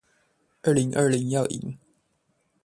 二零二零要贏